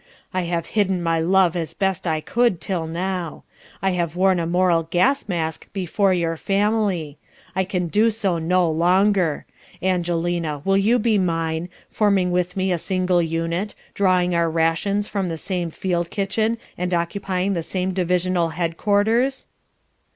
I have hidden my love as best I could till now. I have worn a moral gas mask before your family. I can do so no longer. Angelina, will you be mine, forming with me a single unit, drawing our rations from the same field kitchen and occupying the same divisional headquarters?"